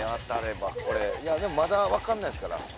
でもまだ分からないですから。